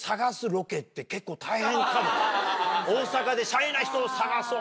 かもな大阪でシャイな人を探そう！